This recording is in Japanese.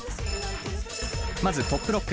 まずトップロック。